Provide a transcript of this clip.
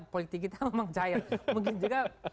politik kita memang cair mungkin juga